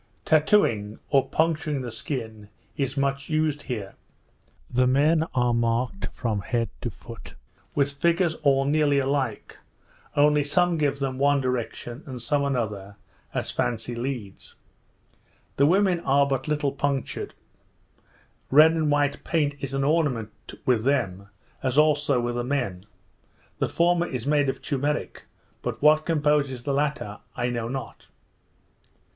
Tattowing, or puncturing the skin, is much used here. The men are marked from head to foot, with figures all nearly alike; only some give them one direction, and some another, as fancy leads. The women are but little punctured; red and white paint is an ornament with them, as also with the men; the former is made of turmeric, but what composes the latter I know not.